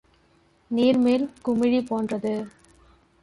நீர்மேல் குமிழி போன்றது.